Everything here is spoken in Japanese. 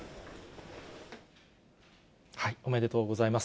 おめでとうございます。